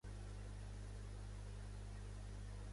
Fes-me un llistat sèries en català per començar a veure-les